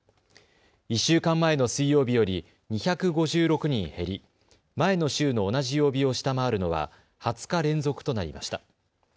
１週間前の水曜日より２５６人減り前の週の同じ曜日を下回るのは２０日連続となりました。